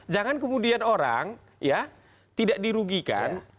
jangan kemudian orang ya tidak dirugikan